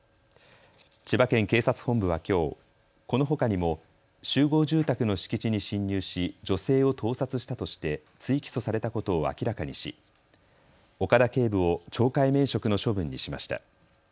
千葉県警察本部はきょうこのほかにも集合住宅の敷地に侵入し女性を盗撮したとして追起訴されたことを明らかにし岡田警部を懲戒免職の処分にしました。